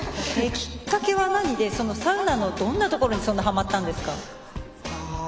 きっかけは何でそのサウナのどんなところにはまったんですか？